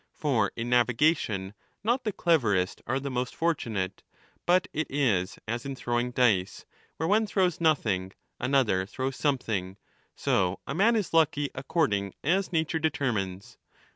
For in navigation not the cleverest are the most fortunate, but it is as in throwing dice, where one throws nothing, another throws something ; so a man is lucky according as nature determines.